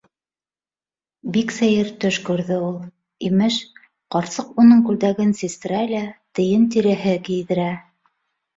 Бик сәйер төш күрҙе ул. Имеш, ҡарсыҡ уның күлдәген систерә лә тейен тиреһе кейҙерә.